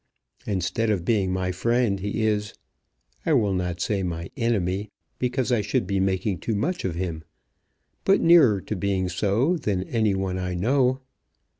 Instead of being my friend, he is, I will not say my enemy, because I should be making too much of him; but nearer to being so than any one I know.